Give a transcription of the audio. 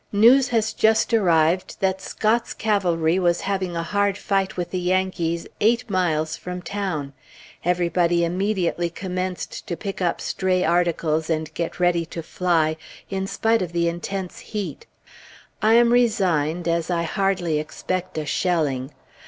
News has just arrived that Scott's cavalry was having a hard fight with the Yankees eight miles from town. Everybody immediately commenced to pick up stray articles, and get ready to fly, in spite of the intense heat. I am resigned, as I hardly expect a shelling.